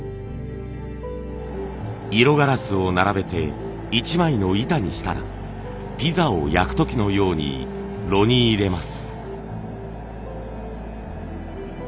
色ガラスを並べて一枚の板にしたらピザを焼く時のように炉に入れます。